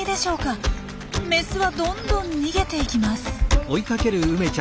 メスはどんどん逃げていきます。